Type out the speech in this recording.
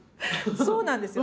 そうなんですよ。